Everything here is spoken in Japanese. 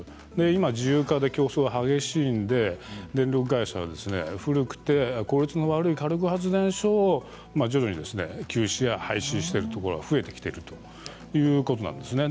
今、自由化で競争が激しいので電力会社は古くて効率の悪い火力発電所を徐々に休止や廃止しているところが増えてきているということなんですね。